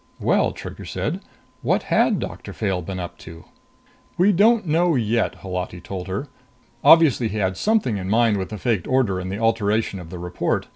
"Well," Trigger said, "what had Doctor Fayle been up to?" "We don't know yet," Holati told her. "Obviously he had something in mind with the faked order and the alteration of the report.